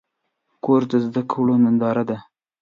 کورس د زده کړو ننداره ده.